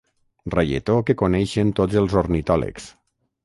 Reietó que coneixen tots els ornitòlegs.